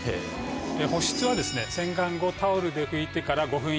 保湿は洗顔後タオルで拭いてから５分以内。